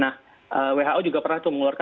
nah who juga pernah tuh mengeluarkan